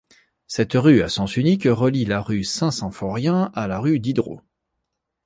Cette rue à sens unique relie la rue Saint-Symphorien à la rue Diderot.